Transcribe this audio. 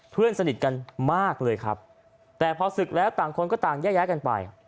เพื่อนสนิทกันมากเลยครับแต่พอศึกแล้วต่างคนก็ต่างแยกย้ายกันไป